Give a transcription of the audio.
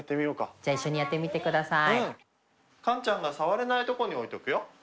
じゃあ一緒にやってみてください。